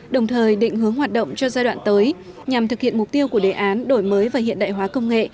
đồng thời định hướng hoạt động cho giai đoạn tới nhằm thực hiện mục tiêu của đề án đổi mới và hiện đại hóa công nghệ